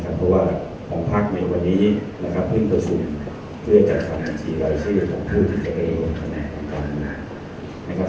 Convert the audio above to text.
เพราะว่าของภาคในวันนี้พึ่งประสุนเพื่อจัดภัณฑ์สีรายชื่อของผู้ที่จะเอาทางการ